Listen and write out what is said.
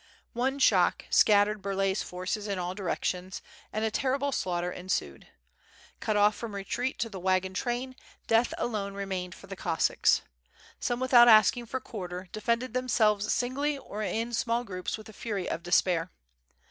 One shock scattered Burlay^s forces in all directions, and a terrible slaughter ensued. Cut off from retreat to the wagon train, death alone remained for the Cossacks. Some without asking for quarter, defended thmselves singly or in small groups with the fury of despair.